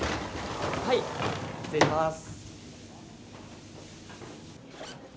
はい失礼します。